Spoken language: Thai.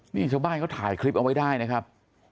นี่ชาวบ้านเขาถ่ายคลิปเอาไว้ได้นะครับ